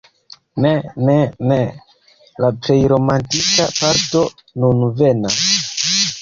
Ne, ne, ne! La plej romantika parto nun venas!